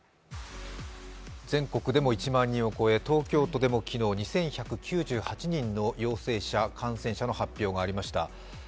全国でも１万人を超え東京都でも昨日、２１９８人の陽性者、感染者の発表がありました。